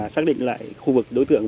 xác định lại khu vực đối tượng